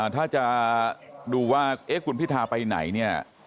ถ้าจะดูว่าคุณพิทาไปไหนเนี่ย